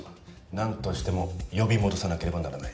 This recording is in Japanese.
なんとしても呼び戻さなければならない。